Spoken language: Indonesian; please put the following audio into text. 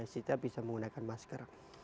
kita bisa menggunakan masker